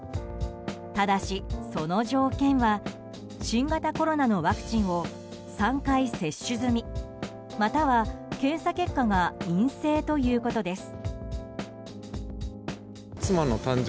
ただし、その条件は新型コロナのワクチンを３回接種済みまたは検査結果が陰性ということです。